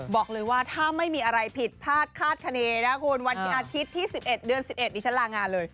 บอกเลยว่าถ้าไม่มีอะไรผิดพลาดคาดคณีนะคุณวันที่อาทิตย์ที่๑๑เดือน๑๑ดิฉันลางานเลย